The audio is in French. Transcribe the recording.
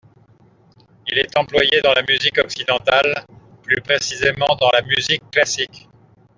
Il est employé dans la musique occidentale, plus précisément dans la musique classique.